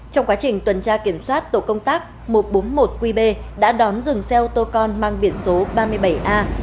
trong quá trình tuần tra kiểm soát tổ công tác một trăm bốn mươi một qb đã đón dừng xe ô tô con mang biển số ba mươi bảy a